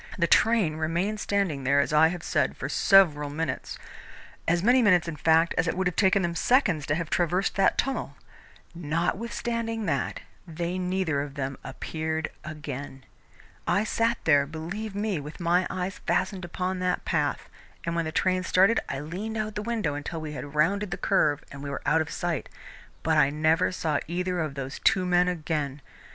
The train remained standing there, as I have said, for several minutes as many minutes, in fact, as it would have taken them seconds to have traversed that tunnel. Notwithstanding that, they neither of them appeared again. I sat there, believe me, with my eyes fastened upon that path, and when the train started I leaned out of the window until we had rounded the curve and we were out of sight, but I never saw either of those two men again.